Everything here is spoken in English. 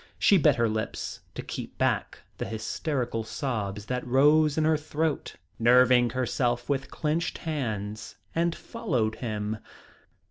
She bit her lips to keep back the hysterical sobs that rose in her throat, nerving herself with clenched hands, and followed him.